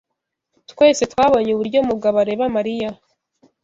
Twese twabonye uburyo Mugabo areba Mariya.